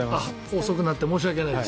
遅くなって申し訳ないです。